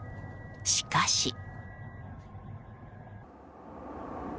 しかし。